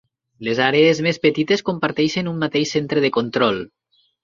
Les àrees més petites comparteixen un mateix Centre de Control.